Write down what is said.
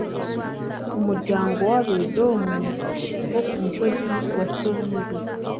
umuryango w Abedomu bo ku musozi Seyiri